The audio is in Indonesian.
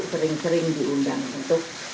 sering sering diundang untuk